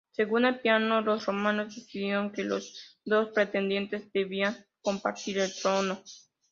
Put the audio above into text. Según Apiano, los romanos decidieron que los dos pretendientes debían compartir el trono.